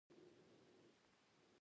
هغه ماشوم راته ووې چې اودس لپاره